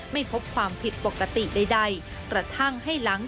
ไม่พบความผิดปกติใด